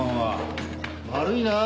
悪いなあ。